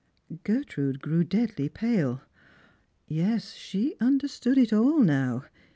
]' Gertrude grew deadly pale. Yes, she understood it all now.